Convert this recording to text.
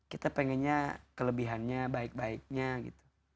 kita pengennya kelebihannya baik baiknya gitu